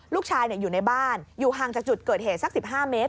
อยู่ในบ้านอยู่ห่างจากจุดเกิดเหตุสัก๑๕เมตร